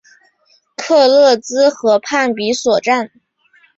克勒兹河畔比索站。